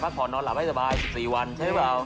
ขอนอนหลับให้สบาย๑๔วันใช่หรือเปล่า